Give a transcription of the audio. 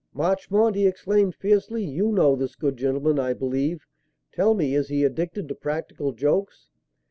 "Marchmont!" he exclaimed fiercely, "you know this good gentleman, I believe. Tell me, is he addicted to practical jokes?"